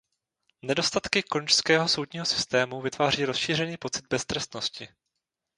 Nedostatky konžského soudního systému vytváří rozšířený pocit beztrestnosti.